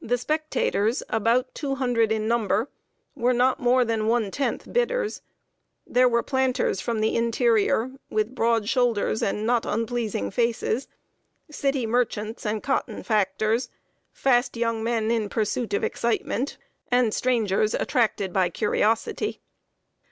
The spectators, about two hundred in number, were not more than one tenth bidders. There were planters from the interior, with broad shoulders and not unpleasing faces; city merchants, and cotton factors; fast young men in pursuit of excitement, and strangers attracted by curiosity.